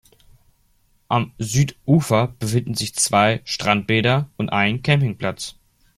Am Südufer befinden sich zwei Strandbäder und ein Campingplatz.